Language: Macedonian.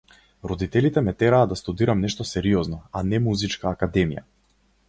Родителите ме тераа да студирам нешто сериозно, а не музичка академија.